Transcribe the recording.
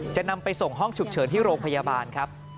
จะนำไปส่งห้องฉุกเฉินที่โรงพยาบาลครับ